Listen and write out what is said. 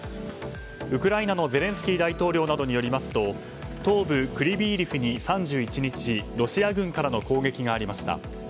ウクライナのゼレンスキー大統領などによりますと東部クリビーリフに３１日ロシア軍からの攻撃がありました。